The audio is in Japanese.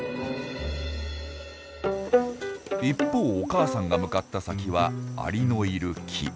一方お母さんが向かった先はアリのいる木。